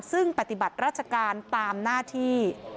ซึ่งปฏิบัติราชการตามหน้าที่